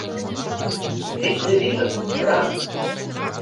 — Витле визыт, раз!